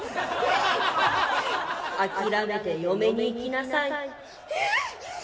「諦めて嫁にいきなさい」。